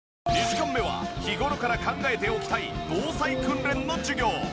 ２時間目は日頃から考えておきたい防災訓練の授業。